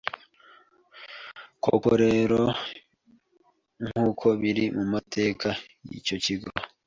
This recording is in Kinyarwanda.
Koko rero, nk’uko biri mu mateka y’icyo kigo,